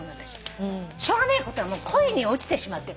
しょうがないこと恋に落ちてしまってる。